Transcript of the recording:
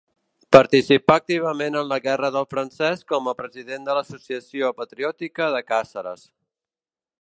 Participà activament en la guerra del francès com a president de l'Associació Patriòtica de Càceres.